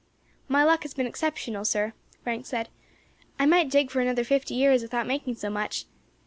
"My luck has been exceptional, sir," Frank said. "I might dig for another fifty years without making so much.